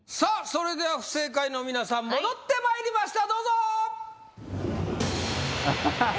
それでは不正解の皆さん戻ってまいりましたどうぞはははっ